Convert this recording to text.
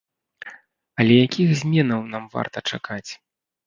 Але якіх зменаў нам варта чакаць?